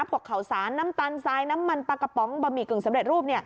ข่าวสารน้ำตาลทรายน้ำมันปลากระป๋องบะหมี่กึ่งสำเร็จรูป